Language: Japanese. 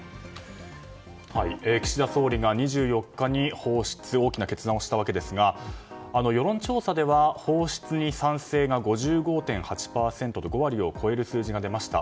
岸田総理が２４日に放出という大きな決断をしたわけですが世論調査では放出に賛成が５５．８％と５割を超える数字が出ました。